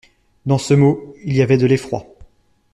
Dans ce mot, il y avait de l'effroi.